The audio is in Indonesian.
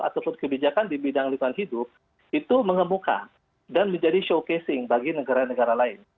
ataupun kebijakan di bidang lingkungan hidup itu mengemuka dan menjadi showcasing bagi negara negara lain